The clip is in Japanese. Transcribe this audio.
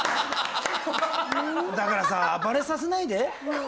だからさ暴れさせないで。